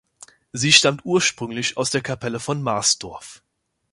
Sie stammt ursprünglich aus der Kapelle von Marsdorf.